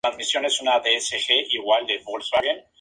Se encuentra únicamente en la isla de Príncipe.